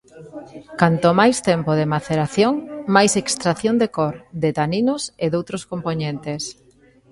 Canto máis tempo de maceración, máis extracción de cor, de taninos e doutros compoñentes.